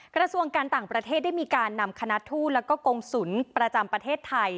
กระทรวงการต่างประเทศได้มีการนำคณะทูตแล้วก็กงศุลประจำประเทศไทย